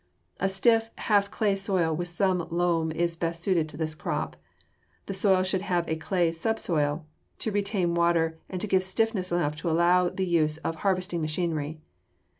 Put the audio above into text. A stiff, half clay soil with some loam is best suited to this crop. The soil should have a clay subsoil to retain water and to give stiffness enough to allow the use of harvesting machinery.